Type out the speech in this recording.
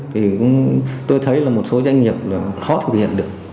thì tôi thấy là một số doanh nghiệp khó thực hiện được